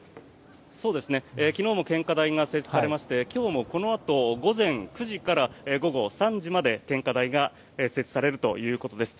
昨日も献花台が設置されまして今日もこのあと午前９時から午後３時まで献花台が設置されるということです。